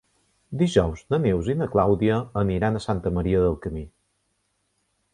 Dijous na Neus i na Clàudia aniran a Santa Maria del Camí.